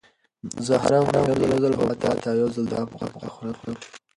زه هره اونۍ یو ځل حبوبات او یو ځل د کب غوښه خورم.